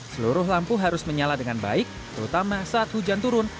seluruh lampu harus menyala dengan baik terutama saat hujan turun